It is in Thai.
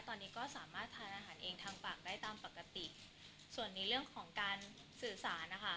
ตอนนี้ก็สามารถทานอาหารเองทางปากได้ตามปกติส่วนในเรื่องของการสื่อสารนะคะ